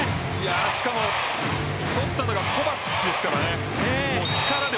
しかも、取ったのがコバチッチですからね。